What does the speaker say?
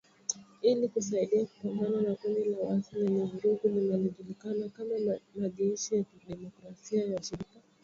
Ili kusaidia kupambana na kundi la waasi lenye vurugu linalojulikana kama Majeshi ya demokrasia ya washirika uingiliaji mkubwa zaidi wa kigeni nchini Kongo.